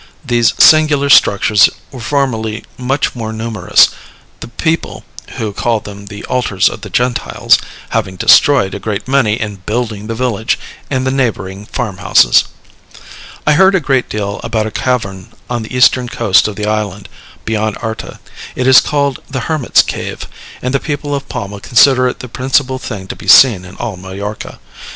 These singular structures were formerly much more numerous, the people (who call them "the altars of the Gentiles") having destroyed a great many in building the village and the neighboring farm houses. I heard a great deal about a cavern on the eastern coast of the island, beyond Arta. It is called the Hermit's Cave, and the people of Palma consider it the principal thing to be seen in all Majorca.